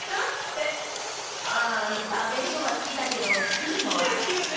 えっ？ああ食べるのは好きだけど作るのは。ですよね！